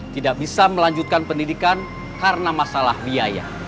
tidak bisa melanjutkan pendidikan karena masalah biaya